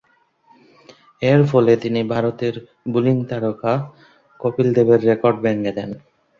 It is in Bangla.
এরফলে তিনি ভারতের বোলিং তারকা কপিল দেবের রেকর্ড ভেঙ্গে দেন।